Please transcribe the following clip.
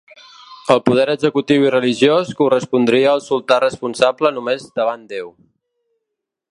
El poder executiu i religiós corresponia al sultà responsable només davant Déu.